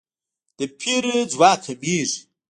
د پیر ځواک کمیږي.